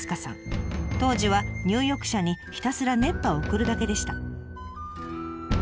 当時は入浴者にひたすら熱波を送るだけでした。